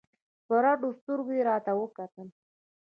په رډو سترگو يې راوکتل.